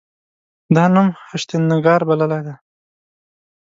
دا نوم هشتنګار بللی دی.